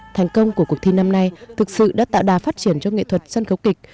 thành công của cuộc thi năm nay thực sự đã tạo đà phát triển cho nghệ thuật sân khấu kịch